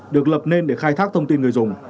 được lập nên để khai thác thông tin người dùng